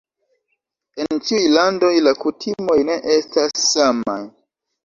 En ĉiuj landoj la kutimoj ne estas samaj.